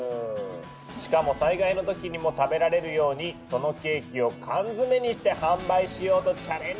しかも災害の時にも食べられるようにそのケーキを缶詰にして販売しようとチャレンジしているんですよ。